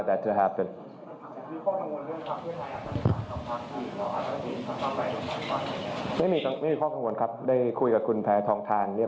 และผมคิดว่าคนของธนาภิกษาจะไม่ได้ทำแบบนี้